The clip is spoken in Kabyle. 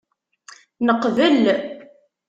Neqbel.